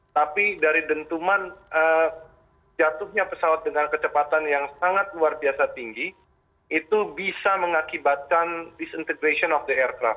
tapi dari dentuman jatuhnya pesawat dengan kecepatan yang sangat luar biasa tinggi itu bisa mengakibatkan disintegration of the aircraft